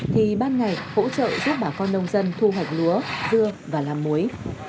thì ban ngày hỗ trợ giúp bà con nông dân thu hoạch lúa dưa và làm muối